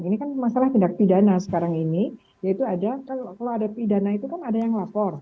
ini kan masalah tindak pidana sekarang ini yaitu ada kalau ada pidana itu kan ada yang lapor